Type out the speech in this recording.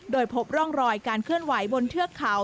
โดยพบร่องรอยการเคลื่อนไหวบนเทือกเขา